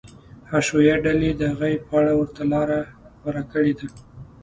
حشویه ډلې د غیب په اړه ورته لاره غوره کړې ده.